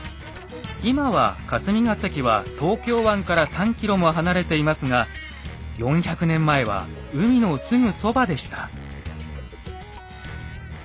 今は霞が関は東京湾から３ｋｍも離れていますが４００年前は海のすぐそばでした。